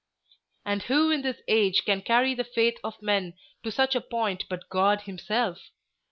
And who in this age can carry the faith of men to such a point but God himself?